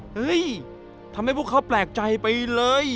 เฮ้ยทำให้พวกเขาแปลกใจไปเลย